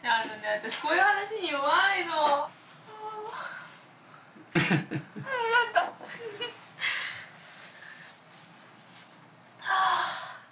私こういう話に弱いの。ハハハ。ああ。はあ。